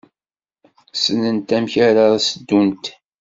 Ssnent amek ara s-ddunt.